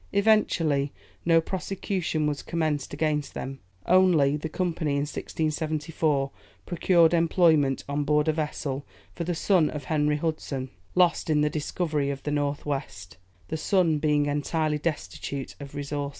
Eventually, no prosecution was commenced against them. Only, the Company, in 1674, procured employment, on board a vessel, for the son of Henry Hudson, "lost in the discovery of the North west," the son being entirely destitute of resources.